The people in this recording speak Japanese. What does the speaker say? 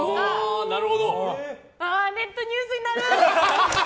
ああ、ネットニュースになる。